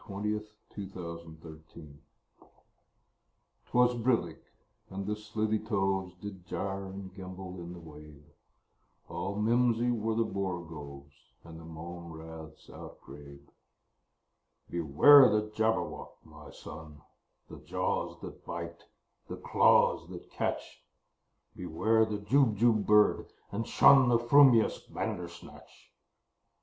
Lewis Carroll Jabberwocky 'TWAS brillig, and the slithy toves Did gyre and gimble in the wabe: All mimsy were the borogoves, And the mome raths outgrabe. "Beware the Jabberwock, my son! The jaws that bite, the claws that catch! Beware the Jubjub bird, and shun The frumious Bandersnatch!"